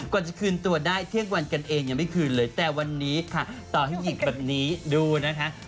จะคืนตัวได้เที่ยงวันกันเองยังไม่คืนเลยแต่วันนี้ค่ะต่อให้หยิบแบบนี้ดูนะคะ